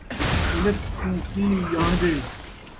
الف کوں کلی ڄاݨدے